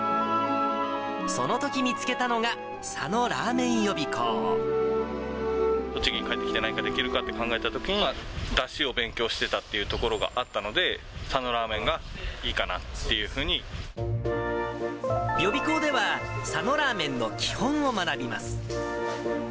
そのとき見つけたのが、栃木に帰って、何ができるかって考えたときに、だしを勉強してたってところがあったので、佐野ラーメンがいいか予備校では、佐野ラーメンの基本を学びます。